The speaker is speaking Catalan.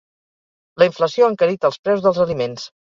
La inflació ha encarit els preus dels aliments.